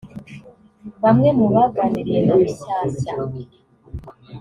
Bamwe mu baganiriye na Rushyashya